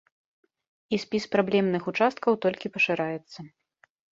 І спіс праблемных участкаў толькі пашыраецца.